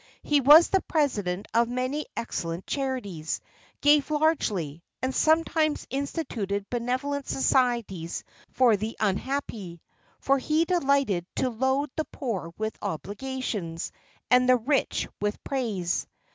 He was the president of many excellent charities, gave largely, and sometimes instituted benevolent societies for the unhappy; for he delighted to load the poor with obligations, and the rich with praise.